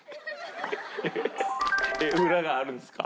裏があるんですか？